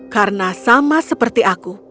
karena sama seperti aku